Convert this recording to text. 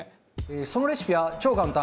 そのレシピは超簡単！